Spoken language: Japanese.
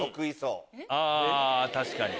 あぁ確かに。